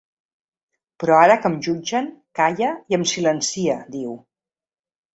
Però ara que em jutgen, calla i em silencia, diu.